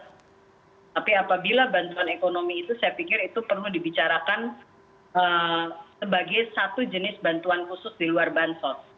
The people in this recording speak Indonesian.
tapi apabila bantuan ekonomi itu saya pikir itu perlu dibicarakan sebagai satu jenis bantuan khusus di luar bansos